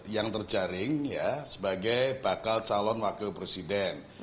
yang terjaring sebagai bakal calon wakil presiden